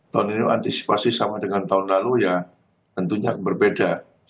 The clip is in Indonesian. tahun ini antisipasi sama dengan tahun lalu ya tentunya akan berbeda